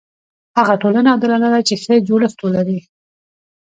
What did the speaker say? هغه ټولنه عادلانه ده چې ښه جوړښت ولري.